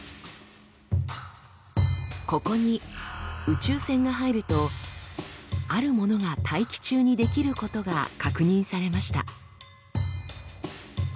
ここに宇宙線が入るとあるものが大気中に出来ることが確認されました。